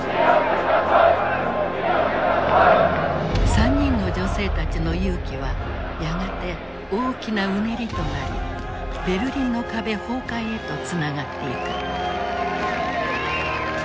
３人の女性たちの勇気はやがて大きなうねりとなりベルリンの壁崩壊へとつながっていく。